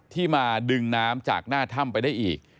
ที่มาดึงน้ำจากหน้าถ้ำไปได้อีก